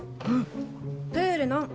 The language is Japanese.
プールのん。